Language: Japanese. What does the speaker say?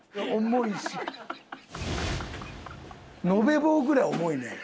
延べ棒ぐらい重いねん。